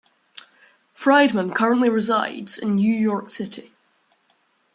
Friedman currently resides in New York City.